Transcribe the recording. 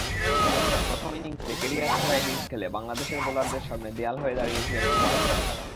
প্রথম ইনিংসে ক্যারিয়ারসেরা ইনিংস খেলে বাংলাদেশের বোলারদের সামনে দেয়াল হয়ে দাঁড়িয়েছিলেন কুমার সাঙ্গাকারা।